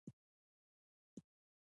کتاب د پوهې د ترلاسه کولو وسیله ده.